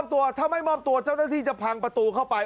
ตัวถ้าไม่มอบตัวเจ้าหน้าที่จะพังประตูเข้าไป